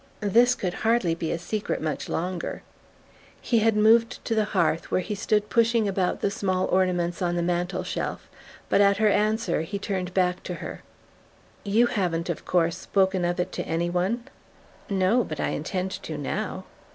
"This could hardly be a secret much longer." He had moved to the hearth, where he stood pushing about the small ornaments on the mantel shelf; but at her answer he turned back to her. "You haven't, of course, spoken of it to any one?" "No; but I intend to now."